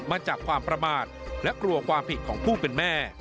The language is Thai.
มาจากความประมาทและกลัวความผิดของผู้เป็นแม่